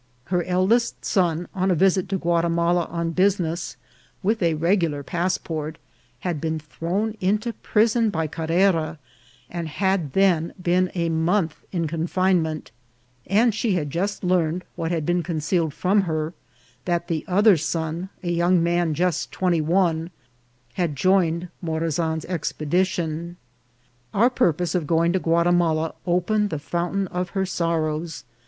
Her eldest son, on a visit to Guatimala on business, with a regular passport, had been thrown into prison by Carrera, and had then been a month in confinement ; and she had just learned, what had been concealed from her, that the other son, a young man just twenty one, had joined Morazan's expedition. Our purpose of going to Guatimala opened the fountain of her sorrows.